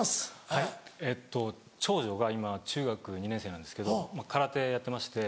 はいえっと長女が今中学２年生なんですけど空手やってまして。